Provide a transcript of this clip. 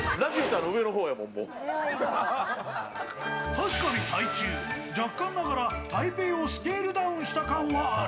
確かに台中、若干ながら台北をスケールダウンした感はある。